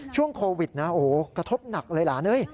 ช่วงโควิดนะโอ้โหกระทบหนักเลยหลานเอ้ย